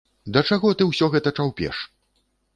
Да чаго ты ўсё гэта чаўпеш?